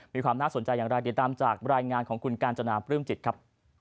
มีความน่าสนใจอย่างไรติดตามจากรายงานของคุณกาญจนาปลื้มจิตครับ